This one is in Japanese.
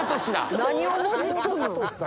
何をもじっとんの？